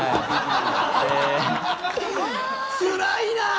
つらいな！